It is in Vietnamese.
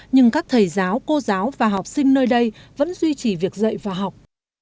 nhưng các thầy giáo cô giáo và học sinh nơi đây vẫn duy trì việc dạy và học